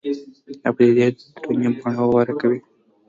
دا پدیدې دروني بڼه غوره کوي